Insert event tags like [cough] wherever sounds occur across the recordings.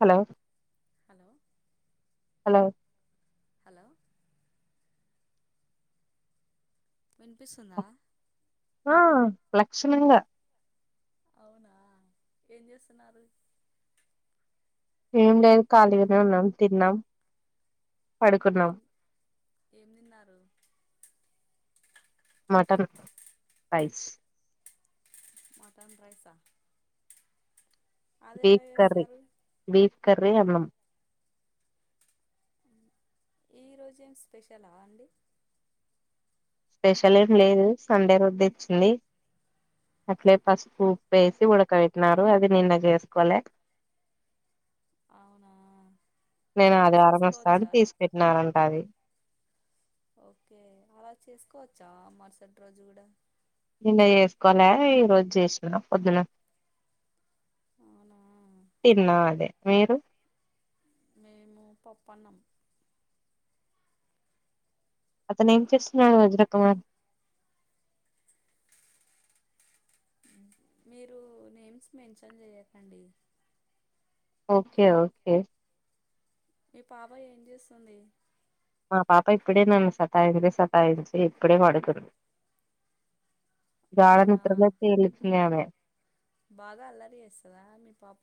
Hello hello hello hello వినిపిస్తుందా ఆ లక్షణంగా అవునా ఏం చేస్తున్నారు ఏం లేదు ఖాళీగానే ఉన్నాం తిన్నాం పడుకున్నాం ఏం ఏం తిన్నారు మటన్ రైస్ మటన్ రైసా అదెలా బీఫ్ కరీ చేస్తారు బీఫ్ కరీ అన్నం మ్ ఈరోోజేం స్పెషలా అండి స్పెషల్ ఏమి లేదు సండే రోజు తెచ్చింది అట్లే పసుపు ఉప్పు వేసి ఉడకబెట్టిన్నారు అది నిన్న చేసుకోలే అవునా అలా చేసుకోవచ్చా న్నారంట అది ఓకే అలా చేసుకోవచ్చా మరుసటి రోజు కూడా నిన్న చేసుకోలే ఈ రోజు చేసిన పొద్దున అవునా తిన్నా అదే మీరు మేము పప్పనం. అతను ఏం చేస్తున్నాడు వజ్ర కుమార్ మీరు నేమ్స్ మెన్షన్ జేయకండి. ఓకే ఓకే ఈ పాప ఏం జేసుంది. మా పాప ఇప్పుడే నాను సతాంది సతాయించి ఇప్పుడే వాడుకున్ గడా అవునా నిద్రలో తెలుతుంది ఆమె బాగా అల్లరి జేసదా మీ పాప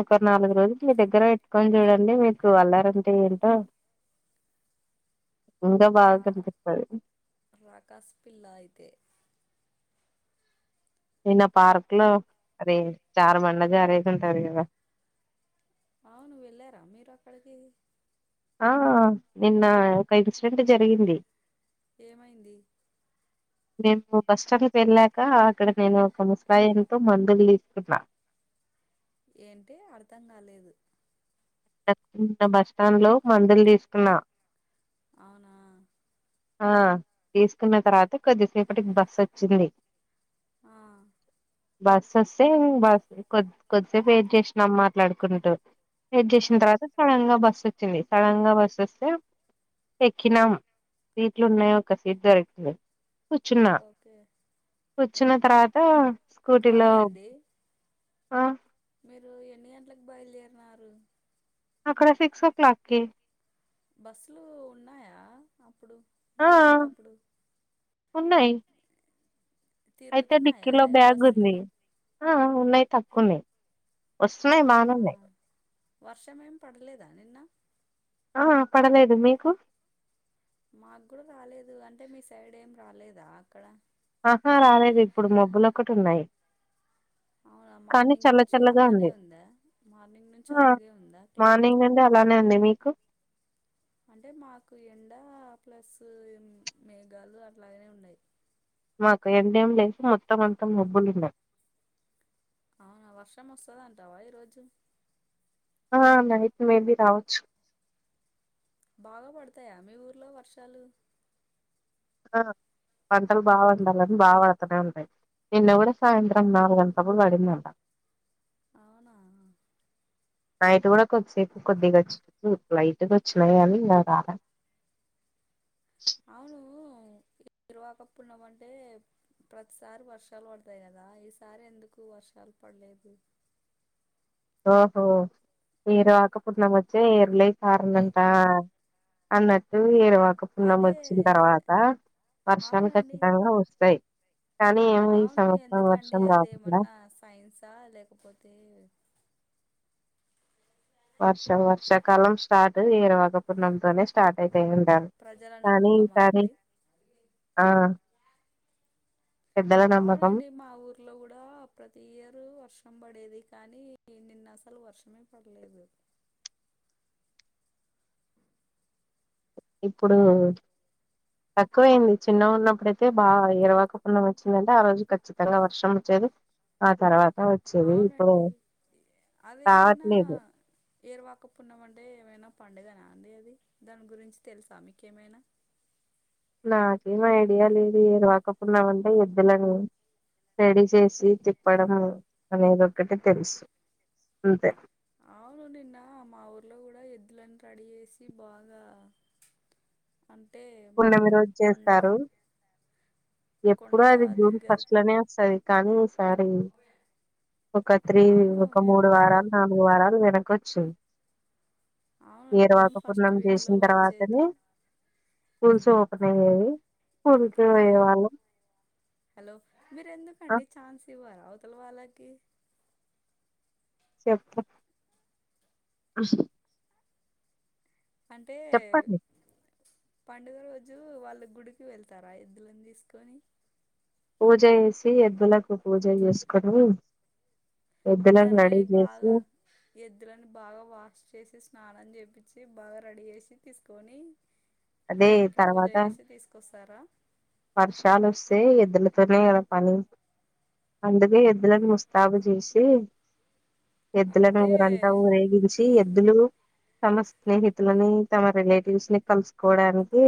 ఒకరు నాలుగు రోజులు మీ దగ్గర పెట్టుకొని జూడండి మీకు అల్లరి అంటే ఏంటో ఇంకా బాగా కనిపితది. రాకసి పిల్లాయితే నిన్న పార్క్ లో అదే జారు బండ జారేది ఉంటది గదా. అవున్ వేలారా మీరు అక్కడికి ఆ నిన్న ఒక ఇన్సిడెంట్ జరిగింది. ఏమైంది. నేను పు పాష్టనికి వెళ్ళాక అక్కడ నేను ఒక ముసాయంతో మందులు దీసుకున్నా. యేంటి అర్థం గాలేదు. డాస్ టి బస్టాండ్ లో మందులు దీసుకున్నా అవునా ఆ తీసుకున్న తర్వాత కొద్దిసేపటికి బస్ వచ్చింది. ఆ బస్ వసే బస్ కోద్ కొద్దిసేపు ఏడ్చేచ్చినం మాట్లాడుకుంటూ ఎడ్ ఆ జేచిన్ తర్వాత సడన్ గా బస్ వచ్చింది సడన్ గా బస్ వస్తే ఎక్కినాం. సీట్లు ఉన్నాయో ఒక సీట్ దొరికింది కూర్చున్నా. ఓకే కూర్చున్న తర్వాత స్కూటీలో కాదండి ఆ మీరు ఎన్ని గోట్లకు బయలుదేరినారు. అక్కడ సిక్స్ ఓ క్లాక్కి బస్సులు ఉన్నాయా, అప్పుడు మీరు వెళ్ళేటప్పుడు. ఉన్నాయ్. అయితే తిరుగుతున్నాయా డిక్కీలో బ్యాగ్ బస్సులు ఉంది, ఆ ఉన్నాయ్ తకవున్నాయ్. అవునా వర్షం ఏం పడలేదా నిన్నా. ఆ పడలేదు మీకు మా గూడా రాలేదు అంటే మీ సైడ్ ఏం రాలేదా అక్కడా ఆహా రాలేదు ఇప్పుడు మబ్బులు ఒకటి ఉన్నాయ్. అవునా మార్నింగ్ నుంచి చల్లగా అలానే ఉంది ఉందా, మార్నింగ్ నుంచి అలాగే ఉందా క్లైమేటూ. లానే ఉంది మీకు అంటే మాకు ఎండ ప్లస్ మేఘాలు అట్లాగనే ఉన్నాయ్. మాకు ఎండ ఏం లేదు మొత్తం అంతా మబ్బులు ఉన్నాయ్. అవునా వర్షం వాసదాటావా ఈ రోజు ఆ నైట్ మేబి రావాచ్. బాగా బడతాయా మీ ఊర్లో వర్షాలు. ఆ పంటలు బాగా వండాలని బాగా పడతనే ఉంటాయ్. నిన్న కూడ సాయంత్రం నాలుగంటల్లప్పుడు వడిందట. అవునా. నైట్ గుడా కొద్దిసేపు కొద్దిగా వచ్చింది లైటుగా వచ్చినయి గానీ ఇంగ రాలె. అవునూ ఎరు వకపునమంటే. ప్రత్సారి వర్షాలు బడతాయి గదా ఈసారి ఎందుకు వర్షాలు పడ్లేదు. ఓహో, ఏరువాక పునమ్మొచ్చే ఎరులై పారెణంటా. అన్నట్టు ఏరువ. అదే క్కపున్నమొచ్చిన తర్వాత వర్షాలు అవునండి కచ్చితంగా వస్తాయి. కానీ ఏమో ఈ సంవత్సరం వర్షం రావట్లే. ఫైన్సా లేకపోతే. వర్షం వర్షకాలం స్టార్ట్ ఏరూవకపునం తోనే. స్టార్టైతయంటారు ప్రజల కానీ నమ్మకమా ఈసారి. అండి ఆ. పెద్దల నమ్మకం అవునండి మా ఊర్. ర్లో గూడా ప్రతి ఇయరు వర్షం బడేది కానీ నిన్న అసలు వర్షమే పడలేదు. ఇప్పుడూ. తక్కువైంది చిన్నగున్నప్పుడైతే బాగా ఎరవక పున్నమొచ్చిందంటే ఆ రోజు ఖచ్చితంగా వర్షం వచ్చేది. ఆ తర్వాత వచ్చేది ఇప్పుడు అవునండి రావట్లేదు. ఏరువాకపున్నమంటే ఏమైనా పండుగన అండి అది దాని గురించి తెలుసా మీకేమైనా. నాకేం ఐడియా లేదు ఎరువకపున్నామంటే ఎద్దులని. రెడీ చేసి తిప్పడం అనేదొక్కటె తెలుసు అంతే. అవునూ నిన్నా మా ఊర్లో గూడా ఎద్దులన్న రడీ జేసి బాగా. అంటే. మా పున్నమి ఊరు కొండ రోజేస్తారు. ఎప్పుడు కొండ అది జూన్ దగ్గర ఫస్ట్లోనే వస్తది కానీ ఈ సారి. ఒక త్రీ, అవును ఒక మూడు ఎందుకో వారాలు, నాలుగు వారాలు వెనకొచ్చిం. అవును ఏరువాక జూన్ ఫస్ట్ పున్నం వీక్లో జేసిన తర్వాతనే వచ్చేది స్కూల్స్ ఓపెన్ అయ్యేయి. హాలో. హాలో, ఆ మీరెందుకండి ఛాన్స్ ఇవ్వరా అవతల్వాళ్ళకి. చెప్పు [unintelligible] అంటే. చెప్పండి పండుగ రోజు వాళ్ళు గుడికి వెళ్తారా ఎద్దులన్దీసుకొని. పూజ జేసి ఎద్దులకు పూజ జేసుకోనీ. ఎద్దులని రెడీ దానిని జేసి. బాగా ఎద్దులని బాగా వాష్ చేసి, స్నానం జేపిచ్చి బాగా రెడీ జేసి తీసుకొని. అదే దానికి పూజ జేసి తీసుకొస్తారా. వర్షాలొసే ఎదులతోనే గదా పని. అందుకే ఎద్దులను ముస్తాబు జేసి, ఎద్దులను అంటే ఊరంతా ఊరేగించి. టీ ఎద్దులు తమ స్నేహితులని, తమ రిలేటివ్స్ ని కలుసుకోడానికి.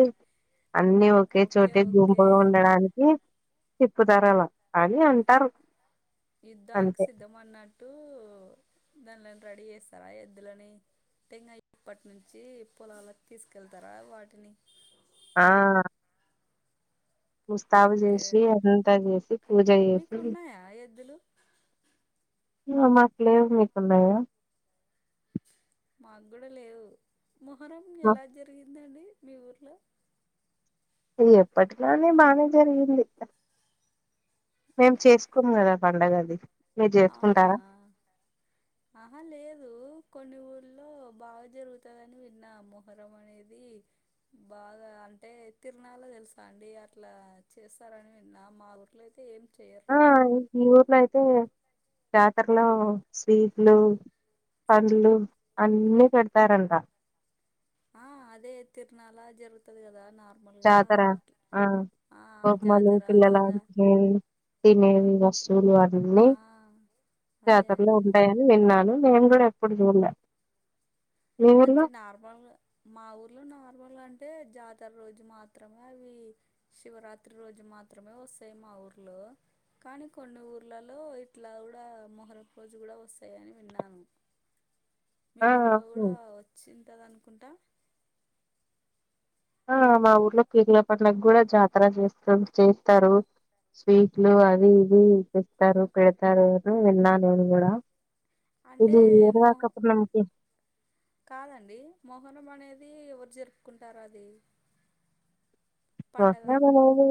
అన్ని ఒకే ఓకే చోటే ఓకే గుంపులో ఉండడానికి తప్పుతారలా. అన్ని అంటారు. యుద్ధానికి అంతే సిద్ధమన్నట్టూ. దాన్లని రెడీ జేసారా, ఎద్దులని. ఇంగా ఇప్పట్నుంచి పొలలాకి తీసుకెళ్తారా వాటిని. ఆ ముస్తాబు ఓకే చేసి అంతా చేసి పూజ మీకు చేసి ఉన్నాయా ఎద్దులు మాకు లేవు మీకున్నాయా మాకు కూడా లేవు మొహరం మా ఎలా జరిగిందండి మీ ఊర్లో ది ఎప్పటిలనే బాగానే జరిగింది మేము చేసుకోం కదా పండగ అది ఆవునా ఆహా లేదు కొన్ని ఊర్లో బాగా జరుగుతందని విన్నా మొహరం అనేది బాగా అంటే తిరనాల తెలుసా అండి అట్లా చేస్తారని విన్నా మా ఊర్లో అయితే ఏం చయర్లుండి మీ ఊర్లో అయితే జాతరలో స్వీట్లు పండ్లు అన్నీ పెడతారంట ఆ అదే తిరునాల జరుగుత వస్తది కదా నార్మల్గా జాతర ఆ ఆ జాతర లాగా తినే వసూలు అన్ని ఆ అదే అం ఉంటాయని విన్నాను నేను కూడా ఎప్పుడు చూడలే మీ అంటే ఊర్లో నార్మల్ మా ఊర్లో నార్మల్ అంటే జాతర రోజు మాత్రమే అవి శివరాత్రి రోజు మాత్రమే వస్తాయి మా ఊర్లో కానీ కొన్ని ఊర్లలో ఇట్లా కూడా మొహ్రం రోజు కూడా వస్తాయని విన్నాను మీ ఆ ఊర్లో అవును కూడా వచ్చింటది అనుకుంటా ఆ మా ఊర్లో పీర్ల పంండగ కూడా జాతర చేస్త చేస్తారు స్వీట్లు అవి ఇవి ఇపిస్తారు పెడతారు విన్నా నేను కూడా అంటే ఇది మోహ ఏరువాక పున్నంకి కాదండి మోహరం అనేది ఎవరు జరుపుకుంటారు అది పండగ అట్లేమి లేదు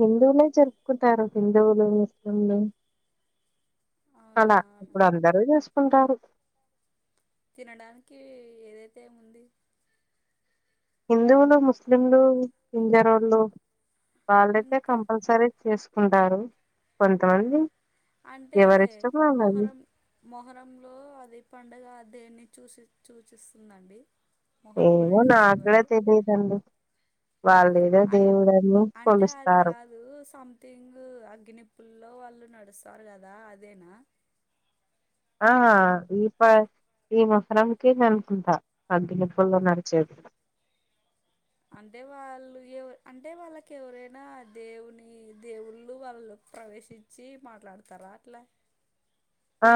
హిందువులే జరుపుకుంటారు హిందువులు ముస్లింలు అవునా అలా ఇప్పుడు అందరూ చేసుకుంటారు తినడానికి ఏదైతే ఉంది హిందువులు ముస్లింలు పింజరోళ్ళు వాళ్ళైతే ఇంకా కంపల్సరీ చేసు కుంటారు కొంతమంది అంటే ఎవరిష్టం వాళ్ళది మొహరం మొహరంలో అది పండగ దేన్ని చూసి చూచిస్తుందండి మొహరమనే ఏమో నాకు కూడా ఫెస్టివల్ తెలియదండి వాళ్ళు ఏదో అ దేవుడని అంటే అది కొలుస్తారు కాదు సం థింగ్ అగ్గినిప్పుల్లో వాళ్ళు నడుస్తారు కదా అదేనా ఆ ఇప ఈ మొహరాంకి అనుకుంటా అగ్గి నిప్పుల్లో నడిచేది అంటే వాళ్ళు ఏ అంటే వాళ్ళకి ఎవరైనా దేవుని దేవుళ్ళు వాళ్ళలో ప్రవేశించ చి మాట్లాడుతార అట్లా ఆ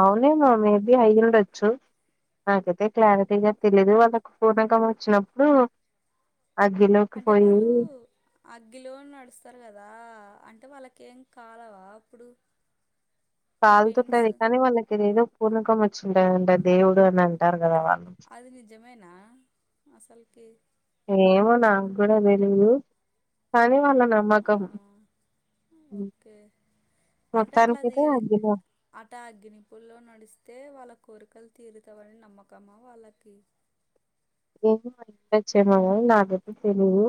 అవునేమ మేబి అయ్యిండొచ్చు నాకైతే క్లారిటీగా తెలీదు వాళ్ళకు పూనకాం వచ్చినప్పుడు అగ్గిలోకి అంటే పోయి వాళ్ళు అగ్గిలో నడుస్తారు కదా అంటే వాళ్ళకి ఏం కాలవా అప్పుడు కాలుతుంటది పెయిన్స్ కానీ వాళ్ళకి అదేదో పూణకం వచ్చింటాదంట దేవుడు అని అంటారు కదా వాళ్ళకి అది ని జమేనా అసల్ కి ఏమో నాకు కూడా తెలీదు కానీ వాళ్ళ నా అవునా ఓకే అంటే అట్లా మొత్తానికైతే తీరి అగ్గిలో అట అగ్గినిపుల్లో నడిస్తే వాళ్ళ కోరికలు తీరుతావని నమ్మకమా వాళ్ళకి ఏమో మరి ఉండోచ్చేమో మా నాకైతే తెలీవు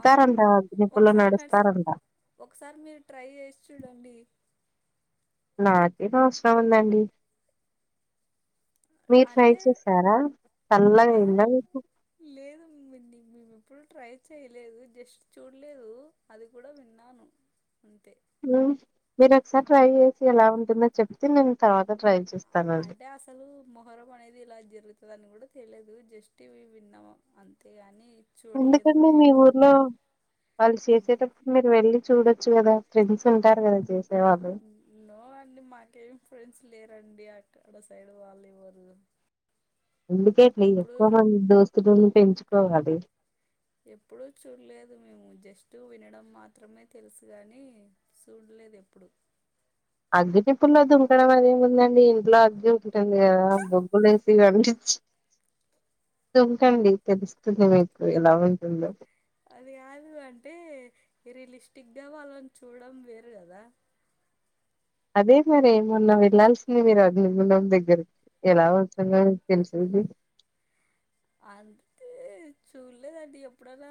అవునండి వాల్ నిప్పుల్లో ఒకసారి నడిసి నడుస్తారంట ఒకసారి మీరు ట్రై చేసి చూడండి నాకేం అవసరం ఉందండి మీరు ట్రై అంటే చేసారా చల్లగా ఆహా అయిందా మీకు లేదు అండి నీ మేము ఎప్పుడు ట్రై చేయలేదు జస్ట్ చూడలేదు అది కూడా విన్నాను అంతే లో మీరు ఒకసారి ట్రై చేసి ఎలా ఉంటుందో చెప్తే నేను తర్వాత ట్రై చేస్తాను అండి అంటే అసలు మొహరం అనేది ఇలా జరుగుతదని కూడా తెలియదు జస్ట్ ఇవి విన్నాము అంతేగాని చూడలేదు ఎందుకండి కూడా మీ ఎప్పుడు ఊర్లో వాళ్ళు చేసేటప్ మీరు వెళ్ళి చూడొచ్చు కదా ఫ్రెండ్స్ ఉంటారు కదా చేసే ఆ, వాళ్ళు నో అండి మాకేమి ఫ్రెండ్స్ లేరండి అక్కడ సైడ్ వాళ్ళు ఎవ్వరు అందుకేయండి ఎక్కువ మంది దోస్తులను పెంచుకోవాలి ఎప్పుడూ చూడలేదు మేము జస్ట్ వినడం మాత్రమే తెలుసు కానీ సుడల్లేదు ఎప్పుడు అగ్గినిప్పుల్లో దుంకడం అదేమిందండి ఇంట్లో అగ్గి ఉంటది కదా బొగ్గులు వేసి అంటించి దుంకండి తెలుస్తుంది మీకు ఎలా ఉంటుందో అది కాదు అంటే రిలిస్టిక్ గా వాళ్ళని చూడడం వేరు కదా అదే మరి మోన్నా వెళ్ళాల్సింది మీరు అది గుండం దగ్గర ఎలా అవుతుందో మీకు తెలిసేది అంతే చూడలేదండి ఎప్పుడైనా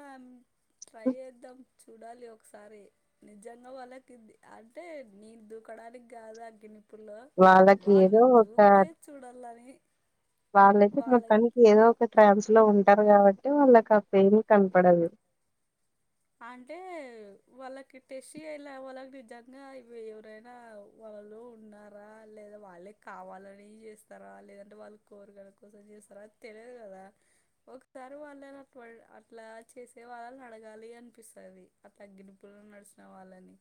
ట్రై చేద్దాం చూడాలి ఒకసారి నిజంగా వాళ్ళకిది అంటే నేను దూకడానికి కాదు ఆగి నీ ప్పులో వాళ్ళకి ఏదో వాళ్ళు ఒక దూకితే చూడాలని వాళ్ళైతే వాళ్ళ మొత్తానికి ఏదో ఒక ట్రాన్స్ లో ఉంటారు కాబట్టి వాళ్ళకి ఆ పెయిన్ కనపడదు అంటే వాళ్ళకి టెస్ట్ చేయాలా వాళ్ళకి నిజంగా ఇవ్వీ ఎవరైనా వాళ్ళు ఉన్నారా లేదా వాళ్ళే కావాలని చేస్తారా లేదంటే వాళ్ళు కోరకల కోసం చేస్తారా తెలదు కదా ఒకసారి వాళ్ళని ఆ అట్లా చేసే వాళ్ళని అడగాలి ఆ అనిపిస్తుది అట్లా అగ్గినిప్పుల్ల నడిసిన వాళ్ళని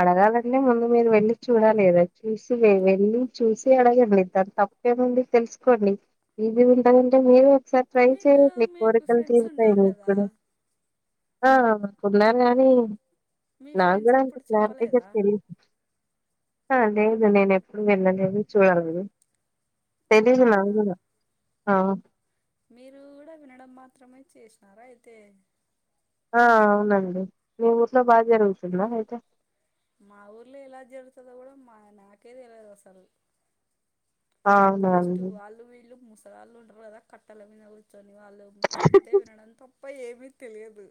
అడగాలంటే ముందు మీరు వెళ్ళి చూడాలిగదా చూసి వెళ్ళి చూసి అడగండి దాన్ తప్ ప్పేముంది తెలుసుకోండి ఈసీగుంటదంటే మీరు ఒకసారి ట్రై మీకు చేయండి మీ మీకు కోరికలు ఫ్రెండ్స్ తీరుతాయి ఉంటారు మీక్ కదా కూడా ఆ కున్నారు గానీ మీ ఫ్రెండ్స్ ఎప్పుడు చెప్ సరిగ్గా తెలిదు హా లేదు నేను ఎప్పుడు వెళ్ళలేదు చూడలేదు తెలీదు అవునా నాక్ కూడా ఆ మీరు కూడా వినడం మాత్రమే చేసినారా అయితే ఆ అవునండి మీ ఊర్లో బాగా జరుగుతుందా అయితే. మా ఊర్లో ఎలా జరుగుతదో గుడా మా నాకేదిలువదు అసల్. ఆ జస్టు అవునండి వాళ్ళు వీళ్ళు ముస్. రాళ్లుంటారు గదా కట్టల మీద కూర్చొని వాళ్ళు ఉ చెప్తే వినడం తప్ప ఏమీ తెలియదు.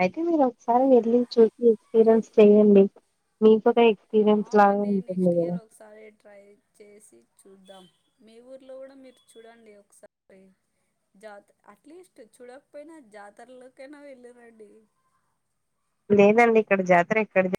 అయితే మీరు ఒకసారి వెళ్ళి చూసి ఎక్స్పీరియన్స్ చెయండి మీకొక ఏక్. పీరమ్స్ లాగా అవునండి ఉంటుంది నెక్స్ట్ గద. ఇయర్ ఒకసారి ట్రై చేసి చూద్దాం. మీ ఊర్లో గుడా మీరు చూడండి ఒకసారి. జాత్ అట్లీస్ట్ చూడకపోయినా జాతరల్లోకైనా వెళ్ళిరండి. లేదండి ఇక్కడ జాతర ఎక్కడ జ.